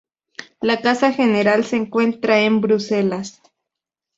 La casa general se encuentra en Bruselas.